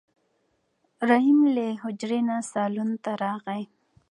رحیم له حجرې نه صالون ته راغی.